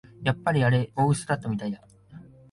やっぱりあれ大うそだったみたいだ